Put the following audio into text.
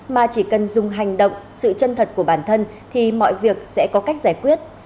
mà chỉ cần dùng hành động sự chân thật của bản thân thì mọi việc sẽ có cách giải quyết